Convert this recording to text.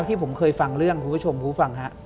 ที่ผมเคยฟังเรื่องคุณผู้ชมผู้ฟังฮะ